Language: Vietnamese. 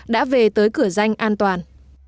đã về tới cửa danh an toàn